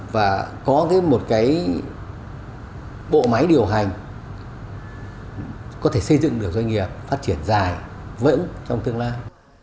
và có một cái bộ máy điều hành có thể xây dựng được doanh nghiệp phát triển dài vững trong tương lai